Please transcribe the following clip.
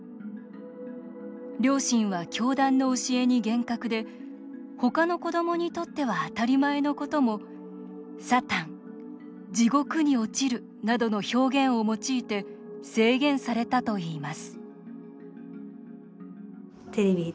両親は教団の教えに厳格で他の子どもにとっては当たり前のことも「サタン」「地獄に落ちる」などの表現を用いて制限されたといいます